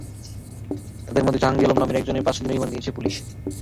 তাঁদের মধ্যে জাহাঙ্গীর আলম নামের একজনকে পাঁচ দিনের রিমান্ডে নিয়েছে পুলিশ।